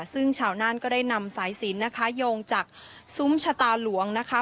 ซึ่งชาวน่านก็ได้นำสายสินนะคะโยงจากซุ้มชะตาหลวงนะคะ